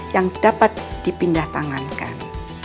yang dapat dipindah tangankan